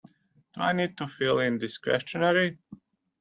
Do I need to fill in this questionnaire?